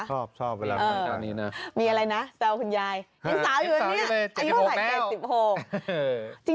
ชอบชอบเวลาเงินตอนนี้น่ะมีอะไรน่ะเซาคุณยายสาวอยู่ตรงนี้อายุหกหกเจกสิบหก